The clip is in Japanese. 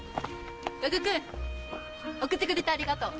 加賀君送ってくれてありがとう。